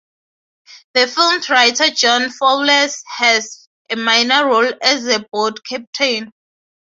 The film's writer John Fowles has a minor role as a boat captain.